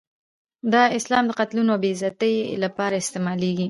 دا اسلام د قتلونو او بې عزتۍ لپاره استعمالېږي.